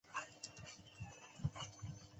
军委办公厅是军委的办事机构。